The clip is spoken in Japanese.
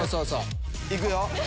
いくよ！